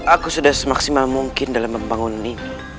aku sudah semaksimal mungkin dalam membangun ini